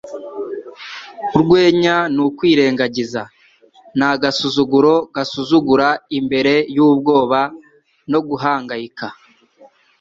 Urwenya ni ukwirengagiza. Ni agasuzuguro gasuzugura imbere yubwoba no guhangayika.